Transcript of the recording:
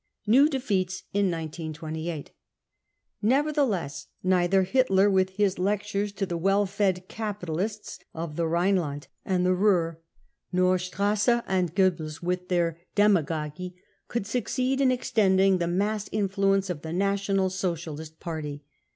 New Defeats in 1928. Nevertheless, neither Hitler with his lectures to the " well fed capitalists 95 of the RhinSland and the Ruhr, nor Strasser and Goebbels with their dema gogy, could succeed in extending the mass influence of the National Socialist Party.